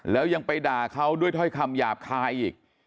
แล้วยังไปด่าเขาด้วยถ้อยคำหยาบคายอีก